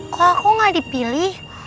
kok aku gak dipilih